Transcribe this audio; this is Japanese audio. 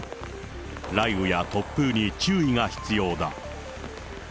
雷雨や突風に注意が必要だ。